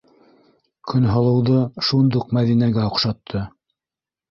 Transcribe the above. Көнһылыуҙы шундуҡ Мәҙинәгә оҡшатты.